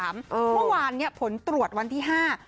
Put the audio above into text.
เมื่อวานผลตรวจวันที่๕